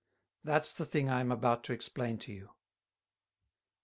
That's the thing I am about to explain to you.